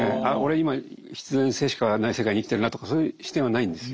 今必然性しかない世界に生きてるなとかそういう視点はないんですよ。